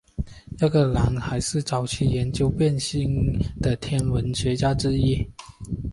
阿格兰德还是早期研究变星的天文学家之一。